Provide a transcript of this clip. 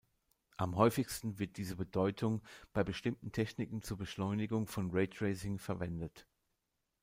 Am häufigsten wird diese Bedeutung bei bestimmten Techniken zur Beschleunigung von Raytracing verwendet.